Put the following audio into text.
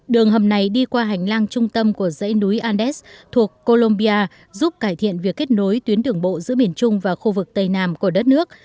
đường hầm này đi qua hành lang trung tâm của dãy núi andes thuộc colombia giúp cải thiện việc kết nối tuyến đường bộ giữa miền trung và khu vực tây nam của đất nước